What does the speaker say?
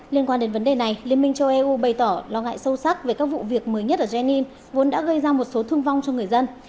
liên quan đến vấn đề này liên minh châu âu bày tỏ lo ngại sâu sắc về các vụ việc mới nhất ở jenny vốn đã gây ra một số thương vong cho người dân